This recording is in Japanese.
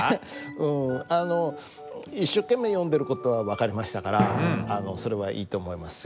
うんあの一生懸命読んでる事は分かりましたからそれはいいと思いますよ。